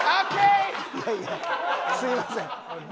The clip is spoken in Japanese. いやいやすみません。